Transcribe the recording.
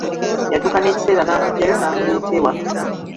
Yatuuka n'ekiseera n'amuggyayo n'muleeta ewaka.